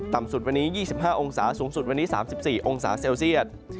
สุดวันนี้๒๕องศาสูงสุดวันนี้๓๔องศาเซลเซียต